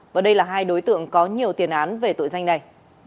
và đây là hai đối tượng có nhiều tiền án về tội danh này